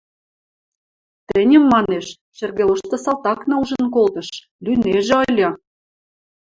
Тӹньӹм, – манеш, – шӹргӹ лошты салтакна ужын колтыш, лӱнежӹ ыльы!